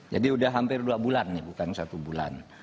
jadi sudah hampir dua bulan nih bukan satu bulan